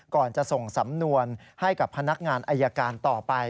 ก่อนจะส่งสำนวนให้กับพนักงานอายการต่อไป